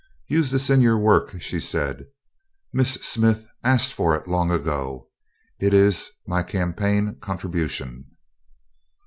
"Use this in your work," she said. "Miss Smith asked for it long ago. It is my campaign contribution."